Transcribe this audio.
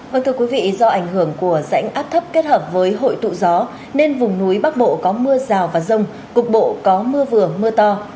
vâng thưa quý vị do ảnh hưởng của rãnh áp thấp kết hợp với hội tụ gió nên vùng núi bắc bộ có mưa rào và rông cục bộ có mưa vừa mưa to